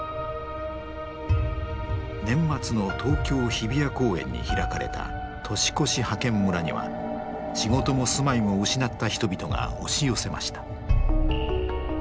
年末の東京日比谷公園に開かれた年越し派遣村には仕事も住まいも失った人々が押し寄せました。